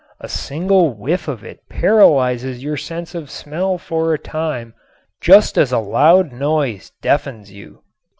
A single whiff of it paralyzes your sense of smell for a time just as a loud noise deafens you.